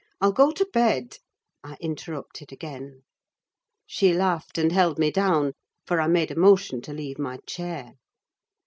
I'll go to bed," I interrupted again. She laughed, and held me down; for I made a motion to leave my chair.